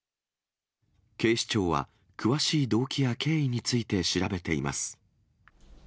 警視庁は、詳しい動機や経緯について調べています。